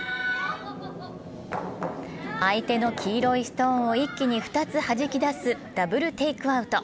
相手の黄色いストーンを一気に２つはじき出すダブルテイクアウト。